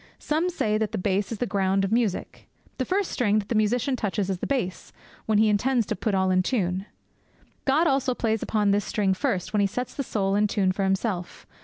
Some say that the bass is the ground of music. The first string that the musician touches is the bass, when he intends to put all in tune. God also plays upon this string first, when He sets the soul in tune for Himself.